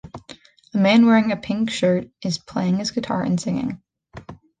A man wearing a pink shirt is playing his guitar and singing.